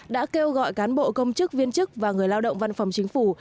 đã kêu gọi cán bộ công chức viên chức và người lao động văn phòng chính phủ